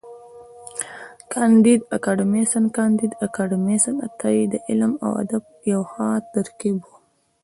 کانديد اکاډميسن کانديد اکاډميسن عطایي د علم او ادب یو ښه ترکیب و.